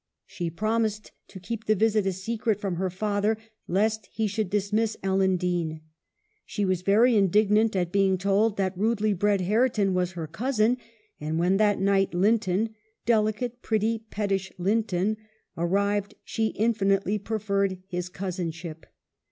She promised to keep the visit a secret from her father, lest he should dismiss Ellen Dean. She was very indignant at being told that rudely bred Hareton was her cousin ; and when that night Linton — delicate, pretty, pettish Linton — arrived, she infinitely preferred his cousinship.